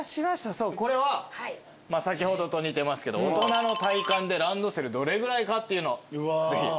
そうこれは先ほどと似てますけど大人の体感でランドセルどれぐらいかっていうのぜひ。